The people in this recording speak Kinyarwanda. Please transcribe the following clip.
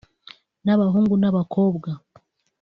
n’abahungu n’abakobwa